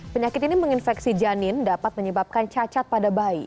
penyakit ini menginfeksi janin dapat menyebabkan cacat pada bayi